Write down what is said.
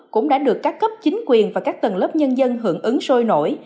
cũng đã được các cấp chính quyền và các tầng lớp nhân dân hưởng ứng sôi nổi